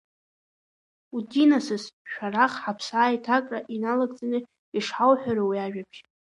Удинаныс, Шәарах, ҳаԥсааиҭакра иналагӡаны ишҳауҳәара уи ажәабжь.